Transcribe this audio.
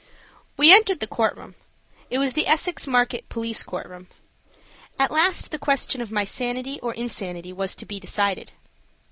We entered the courtroom. It was the Essex Market Police Courtroom. At last the question of my sanity or insanity was to be decided.